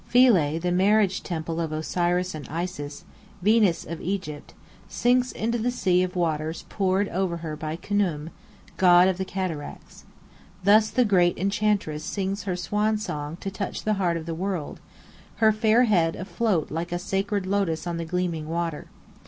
Philae, the Marriage Temple of Osiris and Isis Venus of Egypt sinks into the sea of waters poured over her by Khnum, god of the Cataracts. Thus the great enchantress sings her swan song to touch the heart of the world, her fair head afloat like a sacred lotus on the gleaming water.